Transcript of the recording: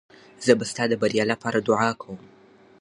زه به ستا د بریا لپاره دعا کوم.